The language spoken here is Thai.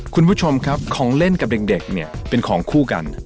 คุณผู้ชมครับของเล่นกับเด็กเนี่ยเป็นของคู่กัน